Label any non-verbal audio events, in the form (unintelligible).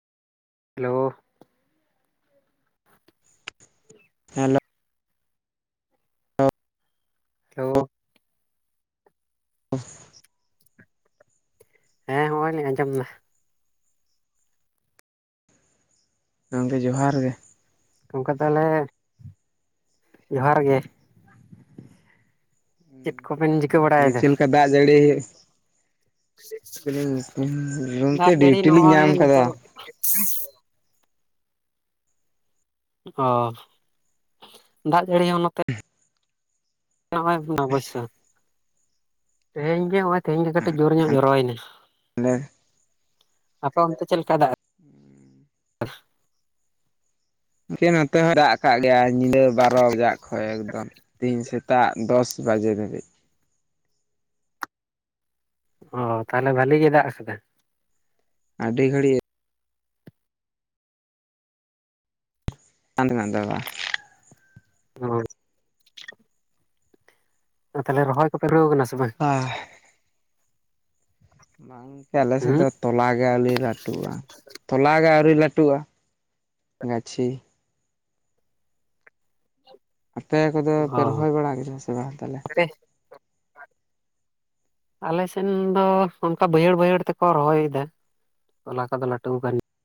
Hello hello hello (inaudible) (inaudible) ᱦᱮᱸ ᱦᱚᱜᱼᱚᱭ ᱞᱤᱧ ᱟᱸᱡᱚᱢ ᱫᱟ᱾ ᱜᱚᱝᱠᱮ ᱡᱚᱦᱟᱨ ᱜᱮ᱾ ᱜᱚᱝᱠᱮ ᱛᱟᱞᱦᱮ ᱡᱚᱦᱟᱨ ᱜᱮ᱾ ᱪᱮᱫ ᱠᱚᱵᱮᱱ ᱪᱤ ᱫᱤᱭᱮ ᱪᱮᱜ ᱞᱮᱠᱟ ᱫᱟᱜ ᱡᱟᱹᱲᱤ? (unintelligible) ᱜᱚᱝᱠᱮ ᱫᱟᱜ ᱡᱟᱹᱲᱤ ᱰᱤᱣᱴᱤ ᱞᱤᱧ ᱱᱚᱜᱼᱚᱭ ᱧᱟᱢ ᱠᱟᱫᱟ᱾ (inaudible) ᱚ ᱫᱟᱜ ᱡᱟᱹᱲᱤ ᱦᱚᱸ ᱱᱚᱛᱮ ᱱᱚᱜᱼᱚᱭ ᱚᱵᱚᱥᱥᱚ ᱛᱮᱦᱮᱧ ᱜᱮ ᱦᱚᱸᱜᱼᱚᱭ ᱛᱮᱦᱤᱧ ᱜᱮ ᱠᱟᱹᱴᱤᱜ ᱡᱳᱨ ᱧᱚᱜ ᱡᱚᱨᱚᱭᱱᱟ, ᱟᱞᱮ ᱟᱯᱮ ᱚᱱᱛᱮ ᱪᱮᱫ ᱞᱮᱠᱟ ᱫᱟᱜ? (inaudible) ᱜᱚᱝᱠᱮ ᱱᱚᱛᱮ ᱦᱚᱸᱭ ᱫᱟᱜ ᱠᱟᱜ ᱜᱮᱭᱟ ᱧᱤᱫᱟᱹ ᱵᱟᱨᱚ ᱵᱟᱡᱟᱜ ᱠᱷᱚᱡ ᱮᱠᱫᱚᱢ᱾ ᱛᱮᱦᱮᱧ ᱥᱮᱛᱟᱜ ᱫᱚᱥ ᱵᱟᱡᱮ ᱫᱷᱟᱹᱵᱤᱡ᱾ ᱚ ᱛᱟᱦᱚᱞᱮ ᱵᱷᱟᱞᱤ ᱜᱮ ᱫᱟᱜ ᱠᱟᱫᱟ? ᱟᱹᱰᱤ ᱜᱷᱟᱹᱲᱤᱜ (unintelligible) (unintelligible) ᱟᱸ ᱛᱟᱦᱞᱮ ᱨᱚᱦᱚᱭ ᱫᱷᱩᱨᱟᱹᱣ ᱠᱟᱱᱟ ᱥᱮ ᱵᱟᱝ? ᱦᱮᱸ ᱵᱟᱝ ᱜᱚᱝᱠᱮ ᱟᱞᱮ ᱥᱮᱜ ᱦᱩᱸ ᱫᱚ ᱛᱚᱞᱟ ᱜᱮ ᱟᱹᱣᱨᱤ ᱞᱟᱹᱴᱩᱜᱼᱟ᱾ ᱛᱚᱞᱟ ᱜᱮ ᱟᱹᱣᱨᱤ ᱞᱟᱹᱴᱩᱜᱼᱟ᱾ ᱜᱟᱹᱪᱷᱤ ᱟᱯᱮ ᱠᱚᱫᱚ ᱚ ᱯᱮ ᱨᱚᱦᱚᱭ ᱵᱟᱲᱟ ᱠᱮᱫᱟ ᱥᱮ ᱵᱟᱝ ᱛᱟᱦᱞᱮ? ᱟᱯᱮ (unintelligible) ᱟᱞᱮᱥᱮᱱ ᱫᱚ ᱚᱱᱠᱟ ᱵᱟᱹᱭᱦᱟᱹᱲ ᱵᱟᱹᱭᱦᱟᱹᱲ ᱛᱮᱠᱚ ᱨᱚᱦᱚᱭᱮᱫᱟ᱾ ᱛᱚᱞᱟ ᱠᱚᱫᱚ ᱞᱟᱹᱴᱩ ᱠᱟᱱ